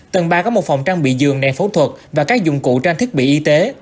tầng ba có một phòng trang bị giường nền phẫu thuật và các dụng cụ trang thiết bị y tế